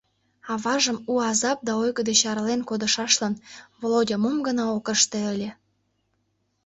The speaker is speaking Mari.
Аважым у азап да ойго деч арален кодышашлан Володя мом гына ок ыште ыле!